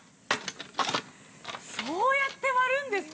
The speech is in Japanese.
そうやって割るんですか。